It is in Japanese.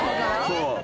そう。